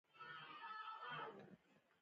حکومت خبري نه شي کولای.